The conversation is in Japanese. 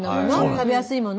食べやすいもの。